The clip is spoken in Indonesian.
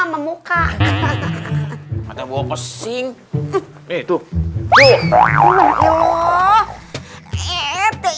sama muka ada buah persing itu tuh